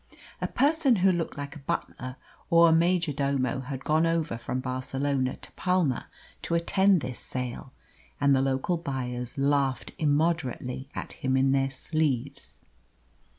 A person who looked like a butler or a major domo had gone over from Barcelona to Palma to attend this sale; and the local buyers laughed immoderately at him in their sleeves.